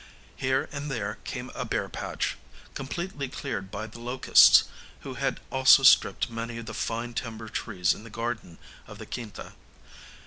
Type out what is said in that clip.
Here and there came a bare patch, completely cleared by the locusts, who had also stripped many of the fine timber trees in the garden of the quinta.